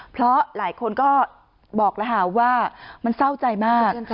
เพราะหลายคนก็บอกแล้วค่ะว่ามันเศร้าใจมาก